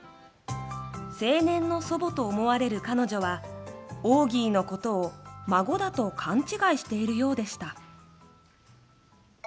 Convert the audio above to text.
青年の祖母と思われる彼女はオーギーのことを孫だと勘違いしているようでした。